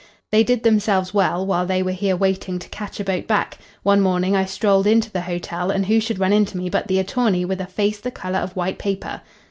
They did themselves well while they were here waiting to catch a boat back. One morning I strolled into the hotel, and who should run into me but the attorney with a face the colour of white paper.